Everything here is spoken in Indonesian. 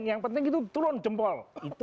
yang penting itu turun jempol